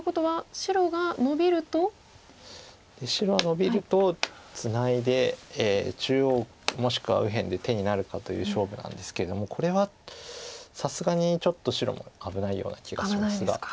白がノビるとツナいで中央もしくは右辺で手になるかという勝負なんですけれどもこれはさすがにちょっと白も危ないような気がしますが。